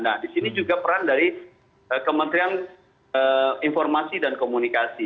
nah di sini juga peran dari kementerian informasi dan komunikasi